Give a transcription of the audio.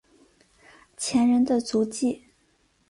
前人的足迹